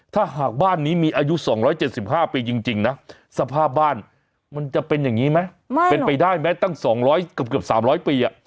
ถ้าหากบ้านนี้มีอายุ๒๗๕ปีจริงนะสภาพบ้านมันจะเป็นอย่างนี้ไหมเป็นไปได้ไหมตั้ง๒๐๐เกือบ๓๐๐ปี